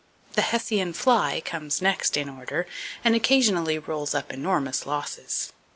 The Hessian fly comes next in order, and occasionally rolls up enormous losses.